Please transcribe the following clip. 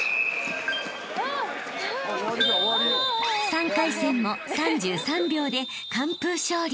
［３回戦も３３秒で完封勝利］